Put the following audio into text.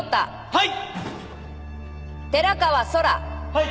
はい。